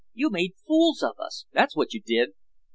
You made fools of us, that's what you did!"